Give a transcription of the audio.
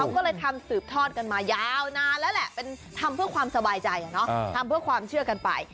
ก็เลยทำสืบทอดกันมายาวนานแล้วแหละเป็นทำเพื่อความสบายใจทำเพื่อความเชื่อกันไป